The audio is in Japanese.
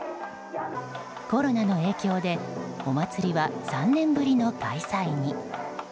コロナの影響でお祭りは３年ぶりの開催に。